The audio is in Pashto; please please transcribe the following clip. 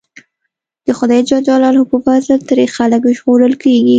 د خدای ج په فضل ترې خلک ژغورل کېږي.